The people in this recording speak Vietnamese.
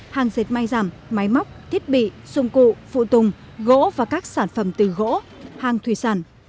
hàng dệt may giảm máy móc thiết bị dụng cụ phụ tùng gỗ và các sản phẩm từ gỗ hàng thủy sản